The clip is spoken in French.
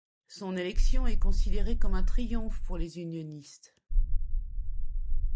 Son élection est considérée comme un triomphe pour les Unionistes.